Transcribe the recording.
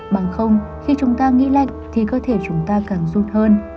bằng không khi chúng ta nghĩ lạnh thì cơ thể chúng ta càng rút hơn